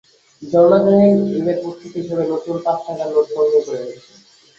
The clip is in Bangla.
ঝর্ণা জাহিন ঈদের প্রস্তুতি হিসেবে নতুন পাঁচ টাকার নোট সংগ্রহ করে রেখেছেন।